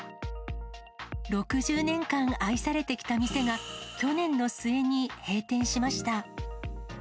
６０年間愛されてきた店が、去年の末に閉店しました。